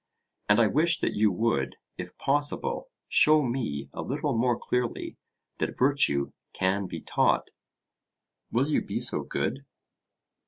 And I wish that you would, if possible, show me a little more clearly that virtue can be taught. Will you be so good?